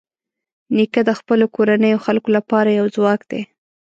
نیکه د خپلو کورنیو خلکو لپاره یو ځواک دی.